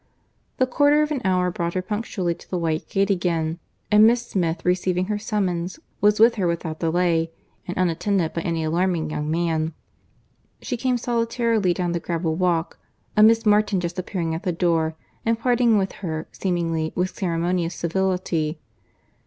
The quarter of an hour brought her punctually to the white gate again; and Miss Smith receiving her summons, was with her without delay, and unattended by any alarming young man. She came solitarily down the gravel walk—a Miss Martin just appearing at the door, and parting with her seemingly with ceremonious civility.